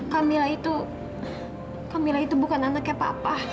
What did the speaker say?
kamila itu kamila itu bukan anaknya papa